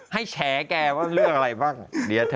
ให้แฉ่แกว่าเรื่องอะไรบ้างเดี๋ยวเถอะ